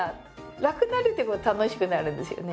楽になるってことは楽しくなるんですよね。